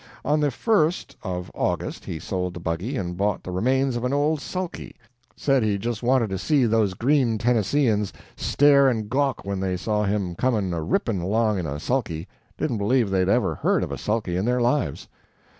"On the 1st August he sold the buggy and bought the remains of an old sulky said he just wanted to see those green Tennesseans stare and gawk when they saw him come a ripping along in a sulky didn't believe they'd ever heard of a sulky in their lives.